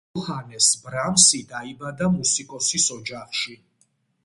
იოჰანეს ბრამსი დაიბადა მუსიკოსის ოჯახში.